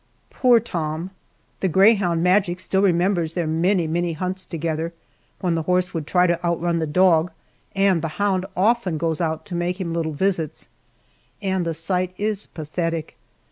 Poor Tom! The greyhound, Magic, still remembers their many, many hunts together when the horse would try to outrun the dog, and the hound often goes out to make him little visits, and the sight is pathetic.